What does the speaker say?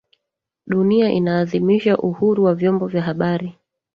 Dunia inaadhimisha uhuru wa vyombo vya habari